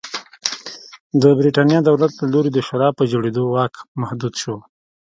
د برېټانیا دولت له لوري د شورا په جوړېدو واک محدود شو.